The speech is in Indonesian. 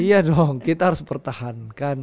iya dong kita harus pertahankan